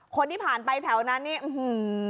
คนที่ผ่านไปแถวนั้นนี่อื้อหือ